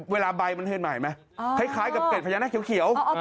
ใบมันเห็นไหมคล้ายกับเกร็ดพญานาคเขียว